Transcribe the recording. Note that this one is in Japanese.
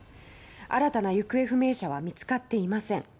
新たな行方不明者は見つかっていません。